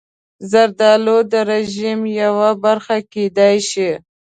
زردالو د رژیم یوه برخه کېدای شي.